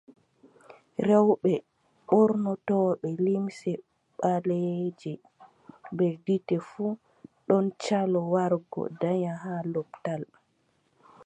Rewɓe ɓornotooɓe limce ɓaleeje bee gite fuu ɗon caloo wargo danya haa lopital.